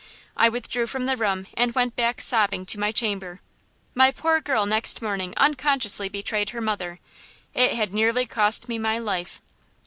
I withdrew from the room and went back, sobbing, to my chamber. My poor girl next morning unconsciously betrayed her mother. It had nearly cost me my life.